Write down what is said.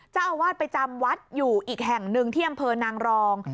เจ้าอาวาสไปจำวัดอยู่อีกแห่งหนึ่งที่อำเภอนางรอง